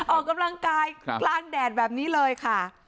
ออกกำลังกายกลางแดดแบบนี้เลยค่ะ